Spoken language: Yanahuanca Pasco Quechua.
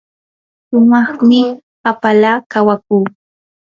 shumaqmi hapala kawakuu.